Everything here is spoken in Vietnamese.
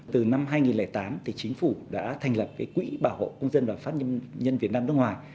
từ năm hai nghìn tám thì chính phủ đã thành lập quỹ bảo hộ công dân và pháp nhân việt nam nước ngoài